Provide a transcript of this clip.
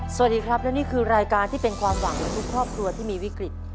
สวัสดีครับและนี่คือรายการที่เป็นความหวังของทุกครอบครัวที่มีวิกฤต